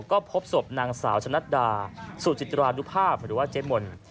ก็พบศพนางสาวชะนัดดาสุจิตรานุภาพหรือว่าเจ๊มนต์